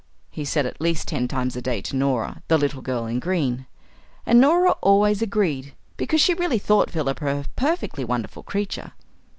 he said at least ten times a day to Norah, the Little Girl in Green. And Norah always agreed, because she really thought Philippa a perfectly wonderful creature.